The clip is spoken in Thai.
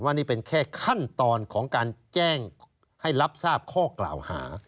นี่เป็นแค่ขั้นตอนของการแจ้งให้รับทราบข้อกล่าวหา